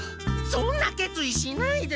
そんな決意しないで！